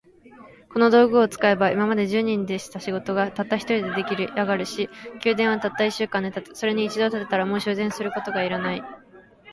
この道具を使えば、今まで十人でした仕事が、たった一人で出来上るし、宮殿はたった一週間で建つ。それに一度建てたら、もう修繕することが要らない。